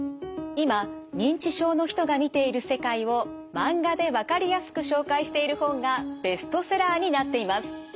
今認知症の人が見ている世界をマンガでわかりやすく紹介している本がベストセラーになっています。